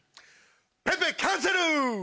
ぺぺキャンセル。